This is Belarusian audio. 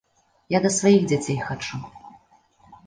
Я да сваіх дзяцей хачу.